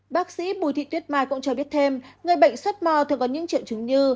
bác sĩ bùi thị tuyết mai cũng cho biết thêm người bệnh xuất mò thường có những triệu chứng như